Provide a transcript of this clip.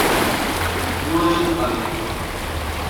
Budu ležet tady.